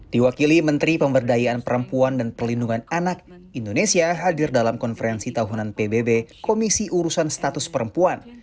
diwakili menteri pemberdayaan perempuan dan perlindungan anak indonesia hadir dalam konferensi tahunan pbb komisi urusan status perempuan